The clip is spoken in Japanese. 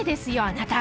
あなた！